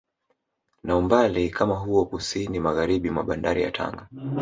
Na umbali kama huo kusini Magharibi mwa bandari ya Tanga